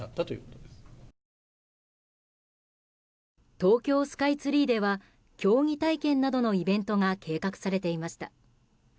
東京スカイツリーでは競技体験などのイベントが計画されていました。